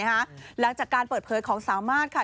หลังจากการเปิดเผยของสามารถค่ะ